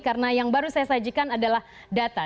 karena yang baru saya sajikan adalah data